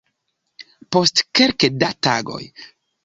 Post kelke da tagoj.